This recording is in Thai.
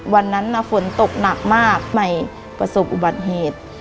วันนั้นฝนตกหนักมากใหม่ประสบอุบัติเหตุ